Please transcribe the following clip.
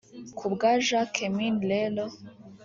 Ku bwa Jacquemin rero